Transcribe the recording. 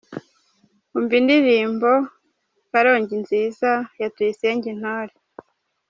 Umva Indirimbo Karongi Nziza ya Tuyisenge Intore.